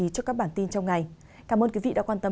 cho các bản tin trong ngày cảm ơn quý vị đã quan tâm